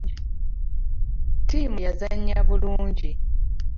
Ttiimu yazannya bulungi.